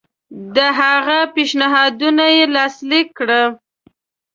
د هغه پېشنهادونه یې لاسلیک کړل.